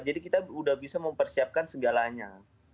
jadi kita udah bisa mempersiapkan segalanya